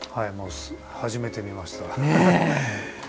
初めて見ました。